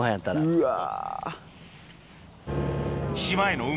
うわ。